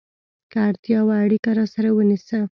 که اړتیا وه، اړیکه راسره ونیسه!